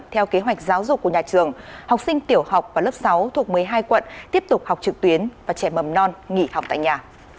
theo kế hoạch giáo dục của nhà trường học sinh tiểu học và lớp sáu thuộc một mươi hai quận tiếp tục học trực tuyến và trẻ mầm non nghỉ học tại nhà